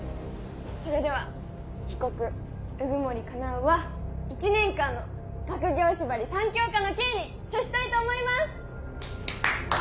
それでは被告鵜久森叶は１年間の学業縛り３教科の刑に処したいと思います！